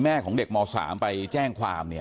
เชิงชู้สาวกับผอโรงเรียนคนนี้